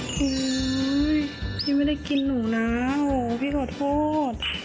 โอ้โฮพี่ไม่ได้กินหนูนะโอ้โฮพี่ขอโทษ